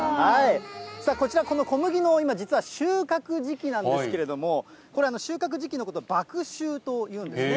さあ、こちら、この小麦の実は収穫時期なんですけれども、これ、収穫時期のこと、麦秋というんですね。